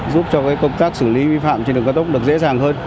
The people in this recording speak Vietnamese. giúp cho công tác xử lý vi phạm trên đường cao tốc được dễ dàng hơn